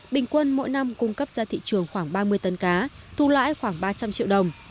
bình quân mỗi năm cung cấp ra thị trường khoảng ba mươi tấn cá thu lãi khoảng ba trăm linh triệu đồng